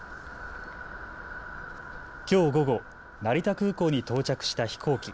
きょう午後、成田空港に到着した飛行機。